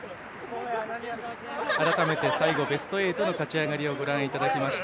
改めて、最後ベスト８の勝ち上がりをご覧いただきました。